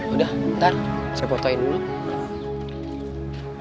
udah ntar saya fotoin dulu